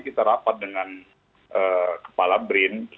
kita rapat dengan kepala brin